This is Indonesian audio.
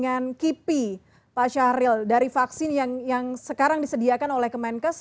dengan kipi pak syahril dari vaksin yang sekarang disediakan oleh kemenkes